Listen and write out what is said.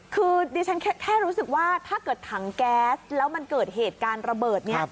คือดิฉันแค่รู้สึกว่าถ้าเกิดถังแก๊สแล้วมันเกิดเหตุการณ์ระเบิดนี้